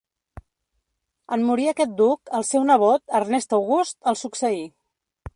En morir aquest duc, el seu nebot, Ernest August, el succeí.